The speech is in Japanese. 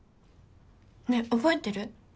ねえ覚えてる？